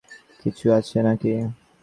ওই, দেখ তো ওর পকেটে খাবার কিছু আছে নাকি?